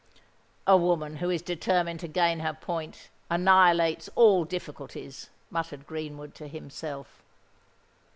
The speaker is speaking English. "A woman who is determined to gain her point, annihilates all difficulties," muttered Greenwood to himself.